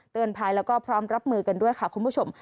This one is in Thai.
ภายแล้วก็พร้อมรับมือกันด้วยค่ะคุณผู้ชม